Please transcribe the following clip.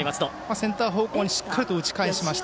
センター方向にしっかり打ち返しました。